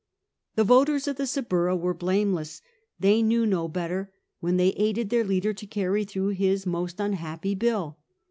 The voters of the Suburra were blameless. They knew 10 better, when they aided their leader to carry through his most unhappy bill.